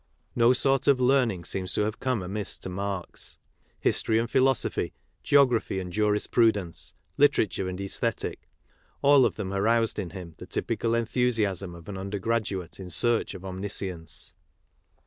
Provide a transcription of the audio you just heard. No sort of learning seems to have come amiss to Marx. History and philosophy, geography and jurisprudence, literature and aesthetic, all of them aroused in him the typical enthusiasm of an undergraduate in search of omniscience.